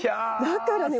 だからね